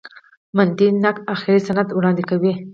متني نقد آخري سند وړاندي کوي.